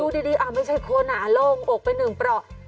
ดูดีอ่ะไม่ใช่คนอ่ะ